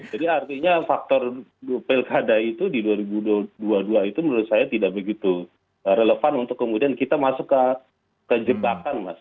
jadi artinya faktor pilkada itu di dua ribu dua puluh dua itu menurut saya tidak begitu relevan untuk kemudian kita masuk ke jebakan mas